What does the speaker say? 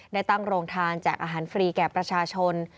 ได้ตั้งโรงทานแจกอาหารฟรีแก่ประชาชน